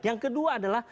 yang kedua adalah